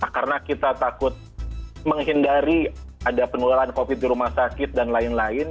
karena kita takut menghindari ada penularan covid di rumah sakit dan lain lain